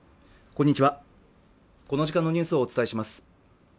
こんにちはこの時間のニュースをお伝えします